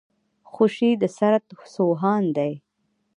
خوشي د سرت سو هان دی.